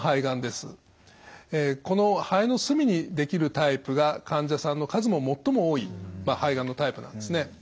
この肺の隅にできるタイプが患者さんの数も最も多い肺がんのタイプなんですね。